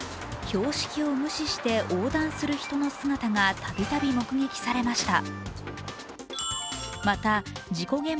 標識を無視して横断する人の姿が度々、目撃されました。